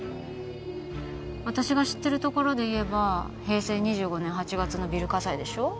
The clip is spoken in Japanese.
私が知ってるところでいえば平成２５年８月のビル火災でしょ